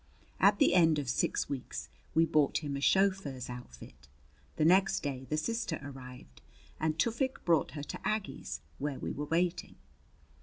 At the end of six weeks we bought him a chauffeur's outfit. The next day the sister arrived and Tufik brought her to Aggie's, where we were waiting.